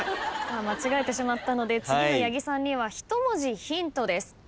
間違えてしまったので次の八木さんには一文字ヒントです。